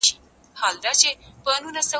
زه به د سبا لپاره د درسونو يادونه کړې وي..